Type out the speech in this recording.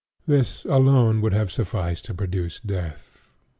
This alone would have sufficed to produce death.